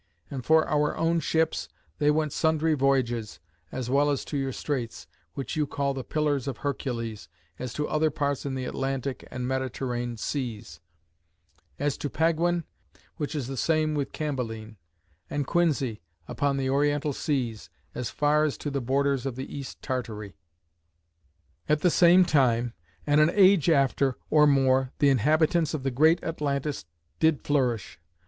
And for our own ships, they went sundry voyages, as well to your straits, which you call the Pillars of Hercules, as to other parts in the Atlantic and Mediterrane Seas; as to Paguin, (which is the same with Cambaline,) and Quinzy, upon the Oriental Seas, as far as to the borders of the East Tartary. "At the same time, and an age after, or more, the inhabitants of the great Atlantis did flourish.